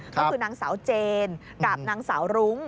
ก็คือนางสาวเจนกับนางสาวรุ้ง